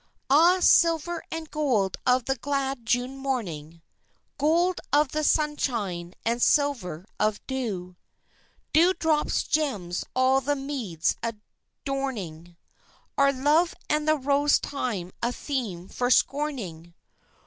Ah, silver and gold of the glad June morning Gold of the sunshine and silver of dew, Dew drop gems all the meads adorning Are love and the rose time a theme for scorning?